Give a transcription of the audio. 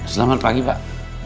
selamat pagi pak